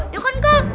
ya kan kak